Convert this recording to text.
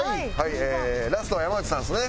ラストは山内さんですね。